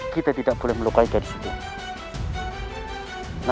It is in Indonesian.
kita tidak boleh melukai dari subuhmu